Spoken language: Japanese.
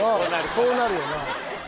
そうなるよな